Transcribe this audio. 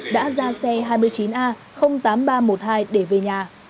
đã ra xe hai mươi chín a tám nghìn ba trăm một mươi hai để về nhà